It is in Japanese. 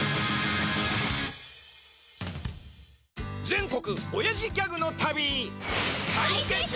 全国おやじギャグの旅！